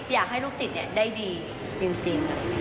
อยากให้ลูกศิษย์ได้ดีจริง